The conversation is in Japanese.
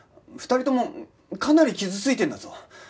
２人ともかなり傷ついてるんだぞ。